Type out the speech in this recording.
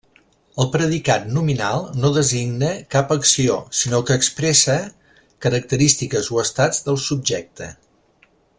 El predicat nominal no designa cap acció sinó que expressa característiques o estats del subjecte.